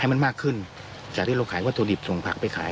มันมากขึ้นจากที่เราขายวัตถุดิบส่งผักไปขาย